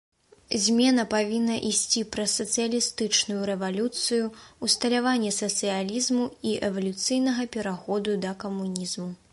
Змена павінна ісці праз сацыялістычную рэвалюцыю, усталяванне сацыялізму і эвалюцыйнага пераходу да камунізму.